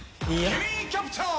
「ケミーキャプチャー！」